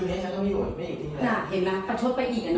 เออปล่อยพี่แพ้เข้าไปเลย